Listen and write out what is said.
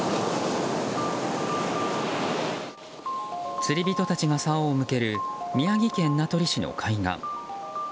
釣り人たちが竿を向ける宮城県名取市の海岸。